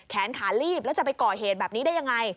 แขนขาลีบแล้วจะไปก่อเหตุแบบนี้ได้ยังไง